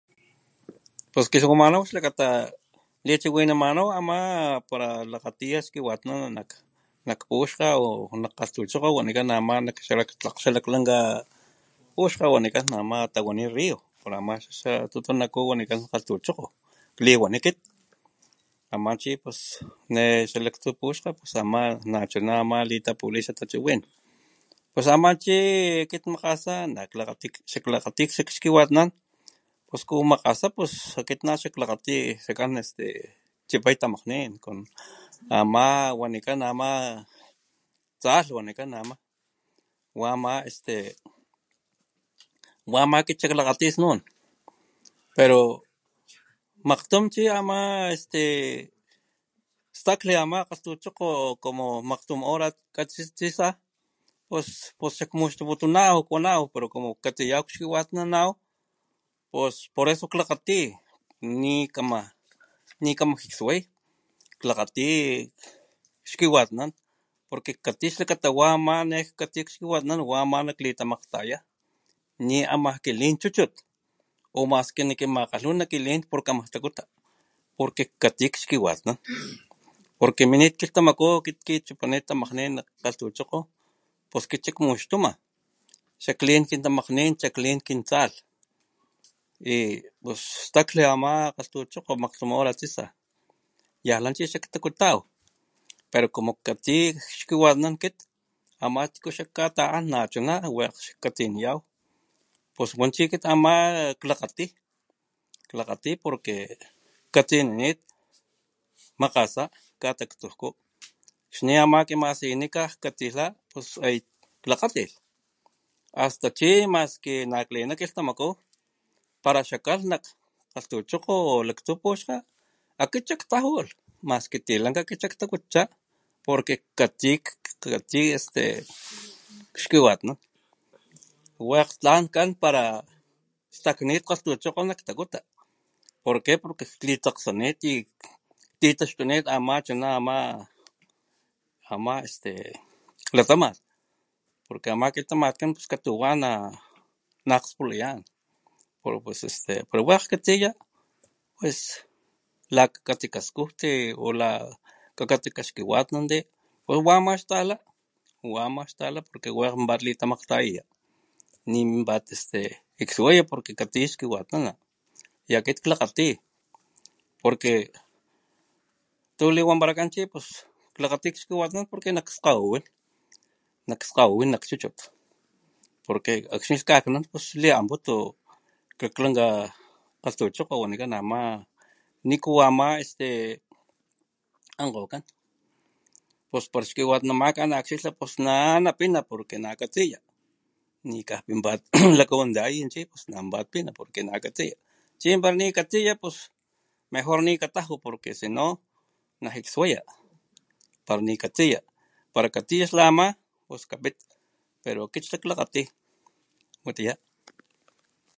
Pus kilhwamanaw xakata lichiwinamanaw ama pala lakgatiya xkiwatnana nak puxkga o nak kgalhtuchokgo wanikan ama lakg xa laklanka puxkga wanikan ama tawani río pero ama xa tutunaku wanikan kgalhtuchokgo kliwani kit ama chi pus ne xa lak tsu puxkga pus ama nachunama litapula xa tachiwin pus ama chi kit makgasa nak klakgati xak klakgati xak xkiwatnan pus como makgasa pus kit naxakklakgati xakan este chipay tamakgni con ama wanikan ama tsalh wanikan ma este wa wama kit xakklakgati snun pero makgtum chi ama este stakli ama kgalhtuchokgo como makgtum hora katsisa pus pus xakmuxtuputunaw kwanaw pero como katsiyaw xkiwatnanaw pus por eso klakgati ni kama nikama jiksway klakgati xkiwatnan porque jkatsi xlakata wa ama akxni jikswamanaw wa ama nak klitamakgtaya ni amaj kilin chuchut o mas que na kimakgtsi na kilin jkatsi kama takuta porque jkatsi xkiwatnan porque minit kilhtamaku akit kichapanit tamakgnin nak kgalhtuchokgo pus kit xak muxtuma xa klin kin tamakgnin xak klin kin tsalh y pus stakli ama kgalhtuchokgo maktum hora tsitsa yanlaj chixaktakutaw pero como jkatsi xkiwatanan kit ama tiku xak kata'an nachuna wekg xkatsiniyaw pus wanchi kit ama xak klakgati klakgati porque jkatsinit makgasa kataktsujku xni ama kimasinika jkatsilha uyu klakgatilh hasta chi mas que nak klina kilhtamaku para xa kalh nak kgalhtuchokgo o laktsu puxkga akit xak tajulh mas que tilanka akit xak takutcha porque jkatsi jkatsi este xkiwatnan wekg tlan kan pala staknint kgalhtuchokgo nak takuta porque porque klisakgsanit y titaxtunit chunama ama este latamat porque ama latamatkan pus katuwa este nakgspulaya pero pus pala wekg katsiya la kaktsi kaskujti o la kakatsi kaxkiwatnanti pus wama xtala porque wa pat litamakgtayaya ni pinpat jikswaya porque este katsiya xkiwatnana y akit klakgati porque tu liwanpalakan chi klakgati skujajku porque klakgti skgawiwin nak skgawiwin nak chuchut porque akxni lhkaknan pus liamputu laklanka kgalhtuchokgo wanikan ama niku ama este ankgokan pus pala akxila xkiwatnankgomaka na napina porque nakatsiya nikan pinpat lakawantayaya chi pus nanpatpina pus nakatsiya chi pala ni katsiya pus mejor ni kataju porque sino najikswaya pala nikatsiya pala katsiya xla ama pus kapit pero kit xla klakgati watiya.